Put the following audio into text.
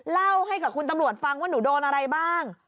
เล่าให้กับคุณตำรวจฟังว่าหนูโดนอะไรบ้าง